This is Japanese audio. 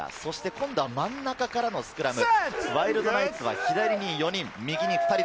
今度は真ん中からのスクラムです。